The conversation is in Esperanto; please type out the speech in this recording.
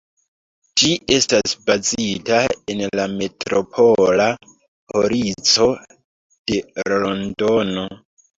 Ĝi estas bazita en la Metropola Polico de Londono.